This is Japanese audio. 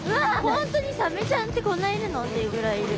本当にサメちゃんってこんないるの？っていうぐらいいる。